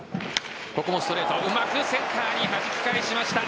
ここもストレートうまくセンターにはじき返しました。